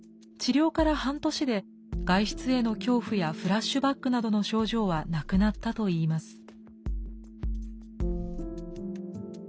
治療から半年で外出への恐怖やフラッシュバックなどの症状はなくなったといいます。